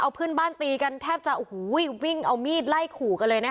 เอาเพื่อนบ้านตีกันแทบจะโอ้โหวิ่งเอามีดไล่ขู่กันเลยนะคะ